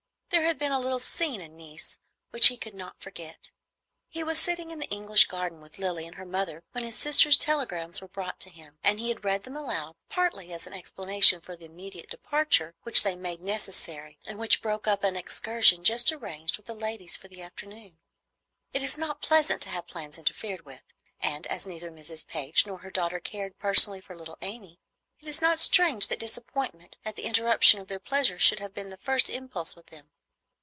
There had been a little scene in Nice which he could not forget. He was sitting in the English garden with Lilly and her mother when his sister's telegrams were brought to him; and he had read them aloud, partly as an explanation for the immediate departure which they made necessary and which broke up an excursion just arranged with the ladies for the afternoon. It is not pleasant to have plans interfered with; and as neither Mrs. Page nor her daughter cared personally for little Amy, it is not strange that disappointment at the interruption of their pleasure should have been the first impulse with them.